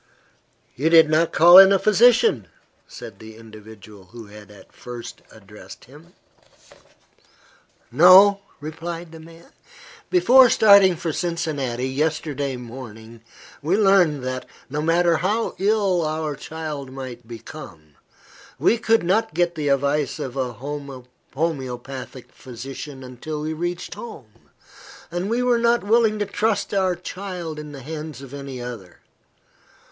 "You did not call in a physician," said the individual who had at first addressed him. "No," replied the man. "Before starting for Cincinnati, yesterday morning, we learned that, no matter how ill our child might become, we could not get the advice of a homoeopathic physician until we reached home, and we were not willing to trust our child in the hands of any other.